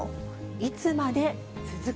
いつまで続く？